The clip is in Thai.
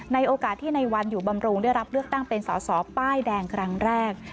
ในโอกาสที่ในวันอยู่บำรุงได้รับเลือกตั้งเป็นสอสอป้ายแดงครั้งแรก